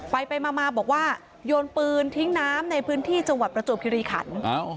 ไปไปมาบอกว่าโยนปืนทิ้งน้ำในพื้นที่จังหวัดประจวบคิริขัน